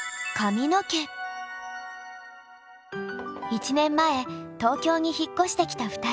１年前東京に引っ越してきた２人。